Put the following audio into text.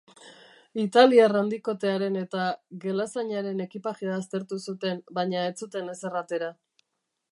Italiar handikotearen eta gelazainaren ekipajea aztertu zuten, baina ez zuten ezer atera.